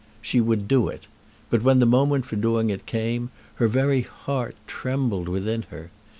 She would do it; but when the moment for doing it came, her very heart trembled within her.